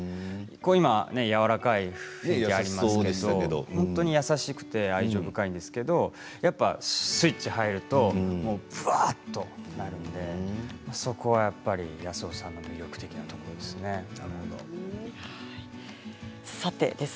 今やわらかい雰囲気がありますけど、本当に優しくて愛情深いんですけどスイッチが入るとぶわっとなるんでそこは伊藤靖朗さんの魅力だと思うんです。